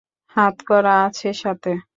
হাতকড়া আছে সাথে?